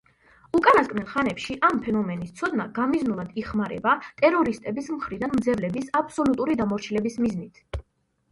უკანასკნელ ხანებში ამ ფენომენის ცოდნა გამიზნულად იხმარება ტერორისტების მხრიდან მძევლების აბსოლუტური დამორჩილების მიზნით.